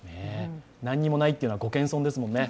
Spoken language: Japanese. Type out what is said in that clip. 何にもないというのはご謙遜ですもんね。